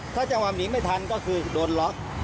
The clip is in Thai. ถ้าจะทำไมหนีไม่ทันก็คือโดรนล็อค